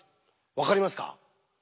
わかりますか？